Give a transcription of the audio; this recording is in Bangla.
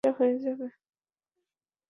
এটা হয়ে যাবে।